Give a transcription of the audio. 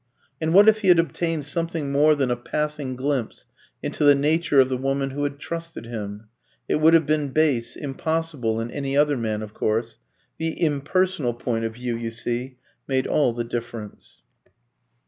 And what if he had obtained something more than a passing glimpse into the nature of the woman who had trusted him? It would have been base, impossible, in any other man, of course: the impersonal point of view, you see, made all the difference.